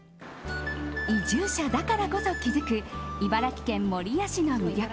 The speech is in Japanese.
移住者だからこそ気づく茨城県守谷市の魅力。